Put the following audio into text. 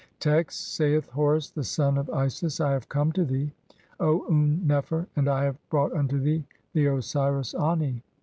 Text : (i) Saith Horus the son of Isis : "I have come to thee, "O Un nefer, and I have brought unto thee the Osiris Ani.